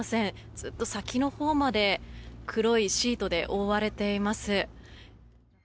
ずっと先のほうまで黒いシートで覆われています。